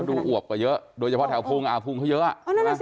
ต้องดูอวกกว่าเยอะโดยเฉพาะแถวภูงก็เยอะ